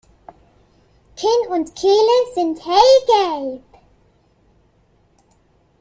Kinn und Kehle sind hellgelb.